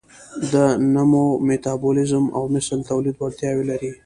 د نمو، میتابولیزم او مثل تولید وړتیاوې لري.